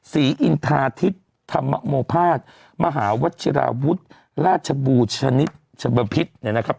ศรีอินทาธิตธรรมภาษณ์มหาวัชรวรรษราชบูรชนิตชบพิษนะครับ